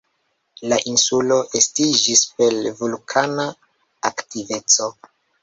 La insulo estiĝis per vulkana aktiveco.